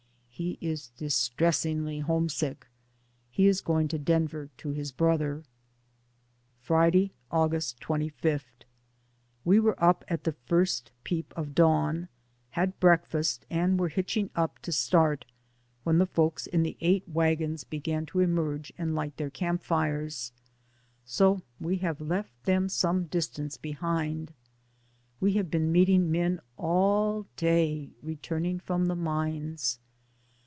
He is distressingly homesick. He is go ing to Denver to his brother. Friday, August 25. We were up at the first peep of dawn, had breakfast, and were hitching up to start, when the folks in the eight wagons began to emerge and light their camp fires, so we have left them some, distance behind. We have been meeting men all day returning from the mines.